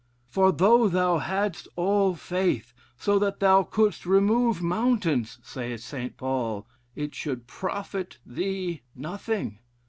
'For though thou hadst all faith, so that thou couldst remove mountains,' saith St. Paul, 'It should profit thee nothing.'